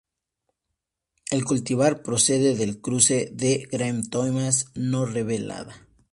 El cultivar procede del cruce de 'Graham Thomas'® x No revelada.